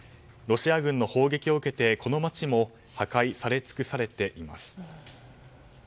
ロシア軍の砲撃を受けてこの街も破壊されつくされています。